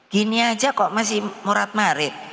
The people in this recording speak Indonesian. gini aja kok masih murad marid